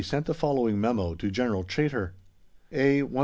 sent the following memo. to General Chaytor: A. 13780.